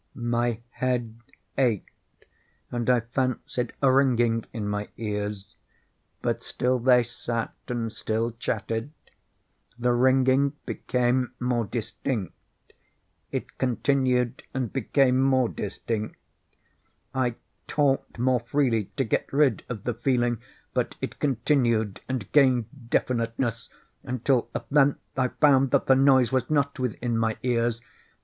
My head ached, and I fancied a ringing in my ears: but still they sat and still chatted. The ringing became more distinct:—it continued and became more distinct: I talked more freely to get rid of the feeling: but it continued and gained definiteness—until, at length, I found that the noise was not within my ears.